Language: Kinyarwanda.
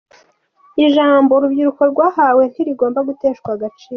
Ijambo urubyiruko rwahawe ntirigomba guteshwa agaciro.